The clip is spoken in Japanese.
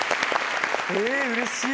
えぇうれしい。